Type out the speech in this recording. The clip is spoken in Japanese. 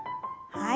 はい。